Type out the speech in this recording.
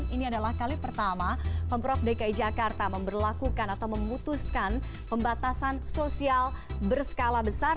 ini adalah kali pertama pemprov dki jakarta memperlakukan atau memutuskan pembatasan sosial berskala besar